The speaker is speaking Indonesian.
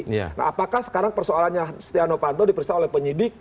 nah apakah sekarang persoalannya setia novanto diperiksa oleh penyidik